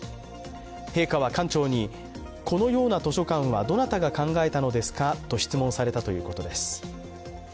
陛下は館長に、このような図書館はどなたが考えたのですかと質問されたということです。